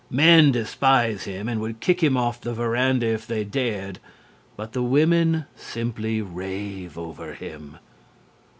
Men despise him and would kick him off the verandah if they dared, but the women simply rave over him.